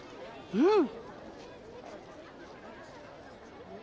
うん。